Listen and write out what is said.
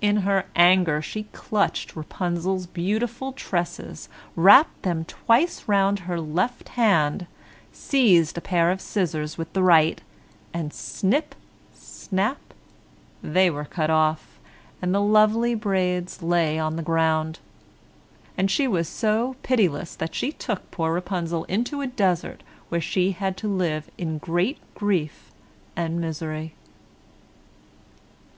In her anger she clutched Rapunzel's beautiful tresses, wrapped them twice round her left hand, seized a pair of scissors with the right, and snip, snip, they were cut off, and the lovely braids lay on the ground. And she was so pitiless that she took poor Rapunzel into a desert, where she had to live in great grief and misery.